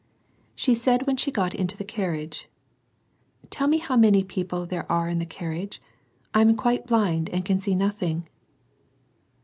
She said s^ she got into the carriage, —" Tell me how n jj*: people there are in the carriage: I am q fij blind, and can see nothing."